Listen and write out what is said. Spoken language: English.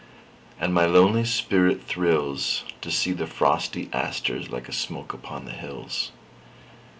And my lonely spirit thrillsTo see the frosty asters like a smoke upon the hills.